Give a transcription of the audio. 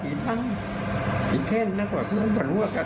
ดูแลเยี่ยมหยาดเลยครับ